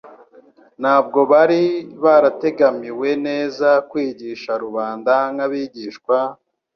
Ntabwo bari barategm-iwe neza kwigisha rubanda nk'abigishwa,